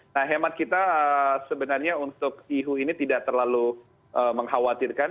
nah hemat kita sebenarnya untuk ihu ini tidak terlalu mengkhawatirkan